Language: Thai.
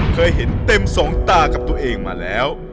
เคยเห็นเต็มสองตากับตัวเองมาแล้ว